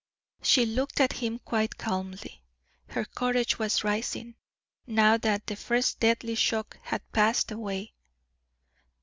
She looked at him quite calmly, her courage was rising, now that the first deadly shock had passed away.